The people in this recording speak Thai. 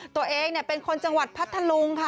ตัวเองเป็นคนจังหวัดพัทธลุงค่ะ